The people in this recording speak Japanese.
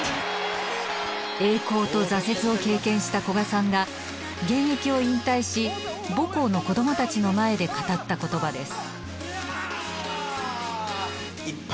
栄光と挫折を経験した古賀さんが現役を引退し母校の子どもたちの前で語った言葉です。